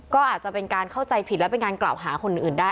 ก็อาจจะเป็นการเข้าใจผิดและเป็นการกล่าวหาคนอื่นได้